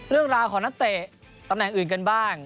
เรื่องราวของนักเตะตำแหน่งอื่นกันบ้าง